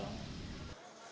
kondisi ini diaminia sosial